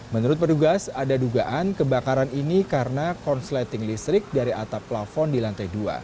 menurut petugas ada dugaan kebakaran ini karena konsleting listrik dari atap plafon di lantai dua